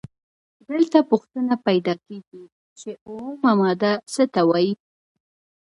دلته پوښتنه پیدا کیږي چې اومه ماده څه ته وايي؟